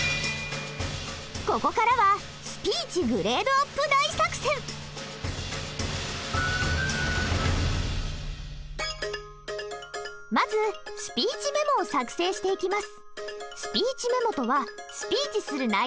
ここからはまずスピーチメモを作成していきます。